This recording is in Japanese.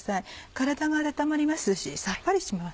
体が温まりますしさっぱりします。